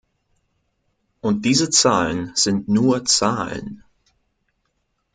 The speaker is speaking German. Und diese Zahlen sind nur Zahlen.